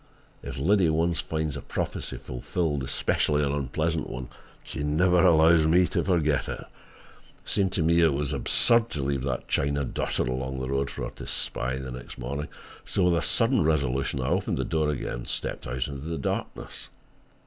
If Liddy once finds a prophecy fulfilled, especially an unpleasant one, she never allows me to forget it. It seemed to me that it was absurd to leave that china dotted along the road for her to spy the next morning; so with a sudden resolution, I opened the door again and stepped out into the darkness.